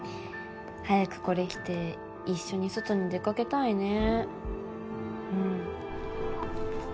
早くこれ着て一緒に外に出かけたいね。